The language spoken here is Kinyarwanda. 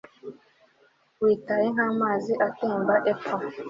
Witaye nkamazi atemba epfo